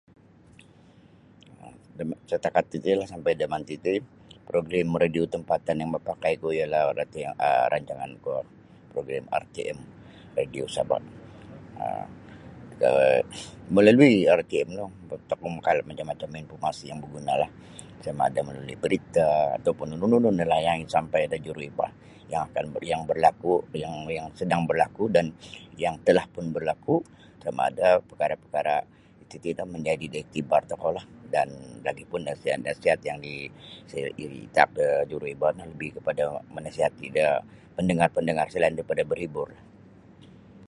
Setakat titilah sampai damanti ti program radio tampatan yang mapakaiku ialah rancangan kuo progrim RTM Radio Sabah um. um Melalui RTM no tokou makalap mogilo informasi yang bergunalah sama ada melalui berita atau pun nunu-nunu oni yang isampai da juruhebah yang akan berlaku yang sedang berlaku dan yang telahpun berlaku sama ada perkara-perkara tatino manjadi da iktibar tokou dan lagi pun nasihat-nasihat yang itaak da juruhebah no lebih kepada menasihati kepada pendengar selain daripada berhibur .